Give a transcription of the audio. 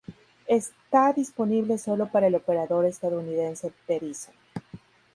Está disponible solo para el operador estadounidense Verizon.